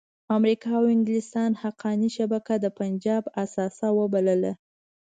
امریکا او انګلستان حقاني شبکه د پنجاب اثاثه وبلله.